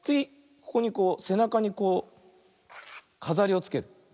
ここにこうせなかにこうかざりをつける。